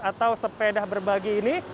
atau sepeda berbagi ini